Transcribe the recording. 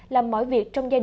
làm mọi việc trong cuộc sống